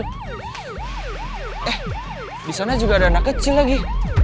eh disana juga ada anak kecil lagi